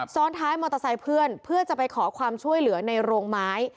ซ้อนท้ายมอเตอร์ไซค์เพื่อนเพื่อจะไปขอความช่วยเหลือในโรงไม้